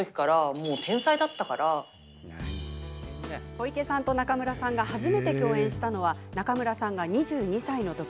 小池さんと中村さんが初めて共演したのは中村さんが２２歳の時。